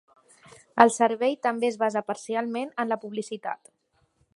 El servei també es basa parcialment en la publicitat.